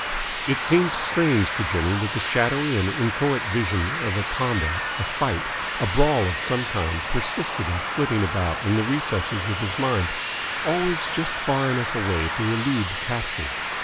It seemed strange to Jimmy that the shadowy and inchoate vision of a combat, a fight, a brawl of some kind persisted in flitting about in the recesses of his mind, always just far enough away to elude capture.